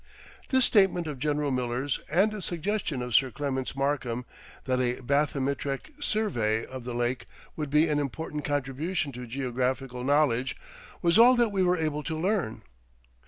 This statement of General Miller's and the suggestion of Sir Clements Markham that a bathymetric survey of the lake would be an important contribution to geographical knowledge was all that we were able to learn.